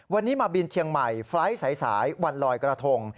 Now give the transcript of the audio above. วันนี้มาบินเชียงใหม่ไฟล์ทสายวันลอยกระทง